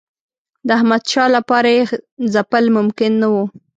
د احمدشاه لپاره یې ځپل ممکن نه وو.